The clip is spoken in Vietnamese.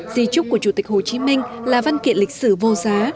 di trúc của chủ tịch hồ chí minh là văn kiện lịch sử vô giá